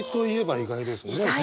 意外です！